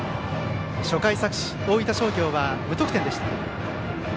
初回、大分商業は無得点でした。